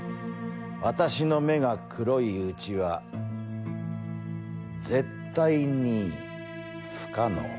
私の目が黒いうちは絶対に不可能。